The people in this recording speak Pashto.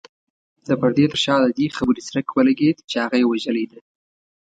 د پردې تر شا د دې خبرې څرک ولګېد چې هغه يې وژلې ده.